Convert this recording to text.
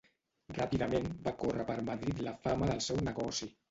Ràpidament va córrer per Madrid la fama del seu negoci.